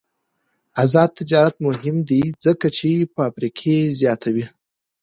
آزاد تجارت مهم دی ځکه چې فابریکې زیاتوي.